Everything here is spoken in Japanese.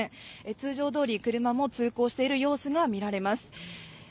通常どおり車も通行している様子が見られます。